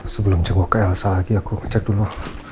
sebelum joko ke elsa lagi aku cek dulu